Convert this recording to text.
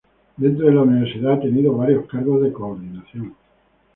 Dentro de la universidad ha tenido varios cargos de coordinación.